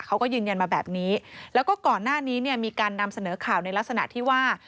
เขาก็ยืนยันมาแบบนี้แล้วก็ก่อนหน้านี้เนี่ยมีการนำเสนอข่าวในลักษณะที่ว่า